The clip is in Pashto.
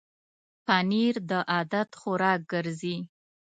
پنېر د عادت خوراک ګرځي.